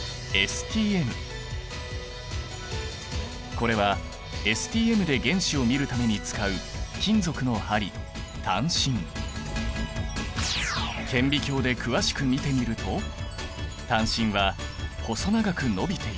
これはＳＴＭで原子を見るために使う金属の針顕微鏡で詳しく見てみると探針は細長く伸びている。